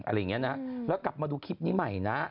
อะไรอย่างนี้นะแล้วกลับมาดูคลิปนี้ใหม่นะ